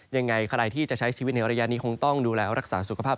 ยังไงใครที่จะใช้ชีวิตในระยะนี้คงต้องดูแลรักษาสุขภาพ